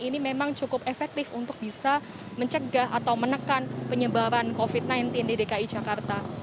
ini memang cukup efektif untuk bisa mencegah atau menekan penyebaran covid sembilan belas di dki jakarta